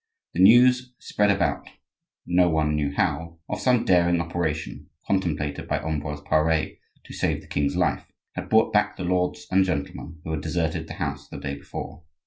The news—spread about, no one knew how—of some daring operation contemplated by Ambroise Pare to save the king's life, had brought back the lords and gentlemen who had deserted the house the day before.